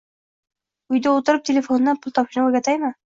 - Uyda o'tirib telefondan pul topishni o'rgataymi?